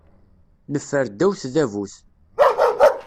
Neffer ddaw tdabut.